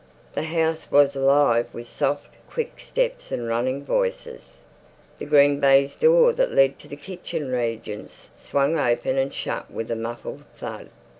The house was alive with soft, quick steps and running voices. The green baize door that led to the kitchen regions swung open and shut with a muffled thud.